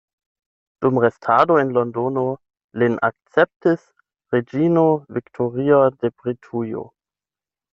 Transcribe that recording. Dum restado en Londono lin akceptis reĝino Viktoria de Britujo.